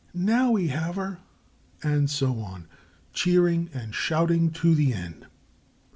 "Now we have her!" and so on, cheering and shouting to the end.